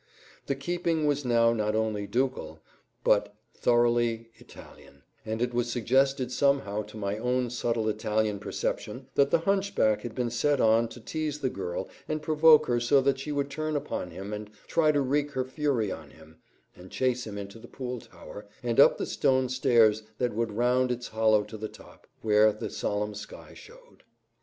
The keeping was now not only ducal, but thoroughly Italian, and it was suggested somehow to my own subtle Italian perception that the hunchback had been set on to tease the girl and provoke her so that she would turn upon him and try to wreak her fury on him and chase him into the Pool Tower and up the stone stairs that wound round its hollow to the top, where the solemn sky showed.